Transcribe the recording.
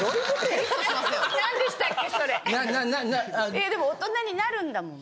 ええでも大人になるんだもん。